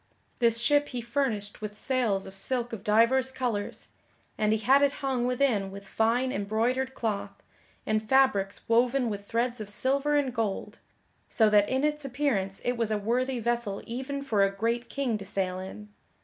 This ship he furnished with sails of silk of divers colors, and he had it hung within with fine embroidered cloth, and fabrics woven with threads of silver and gold, so that in its appearance it was a worthy vessel even for a great king to sail in.